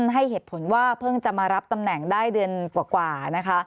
ให้เหตุผลว่าเพิ่งจะมารับตำแหน่งได้เดือนกว่านะคะ